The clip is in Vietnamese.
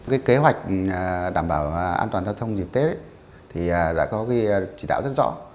cái kế hoạch đảm bảo an toàn giao thông dịp tết thì đã có cái chỉ đạo rất rõ